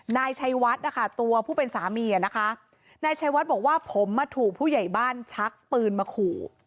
นายชัยวัดนะคะตัวผู้เป็นสามีอ่ะนะคะนายชัยวัดบอกว่าผมมาถูกผู้ใหญ่บ้านชักปืนมาขู่